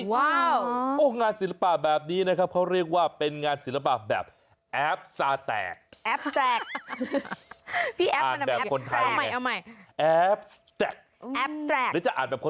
งานศิลปะแบบนี้นะครับเขาเรียกว่าเป็นงานศิลปะแบบแอฟซาแตก